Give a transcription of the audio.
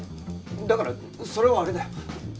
だからそれはあれだよ。